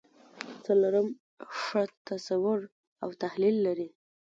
څلورم ښه تصور او تحلیل لري.